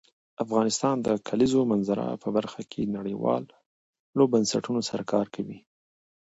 افغانستان د د کلیزو منظره په برخه کې نړیوالو بنسټونو سره کار کوي.